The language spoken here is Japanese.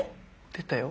出たよ。